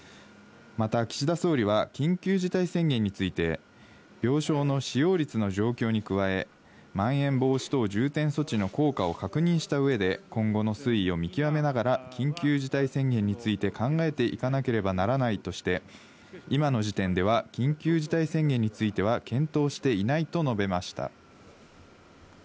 また岸田総理は緊急事態宣言について、病床の使用率の状況に加え、まん延防止等重点措置の効果を確認した上で今後の推移を見極めながら、緊急事態宣言について考えていかなければならないとして今の時点では緊急事態宣言については検討していないと述べました。